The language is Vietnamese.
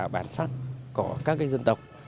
bản sắc của các dân tộc